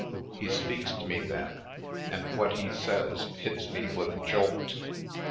He speaks to me then and what he says hits me with a jolt.